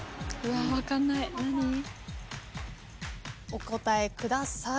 お答えください。